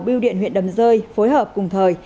biêu điện huyện đầm rơi phối hợp cùng thời